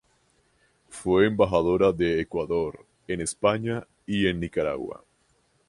Fue embajadora de Ecuador en España y en Nicaragua.